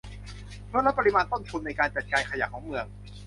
เพื่อลดปริมาณต้นทุนในการจัดการขยะของเมือง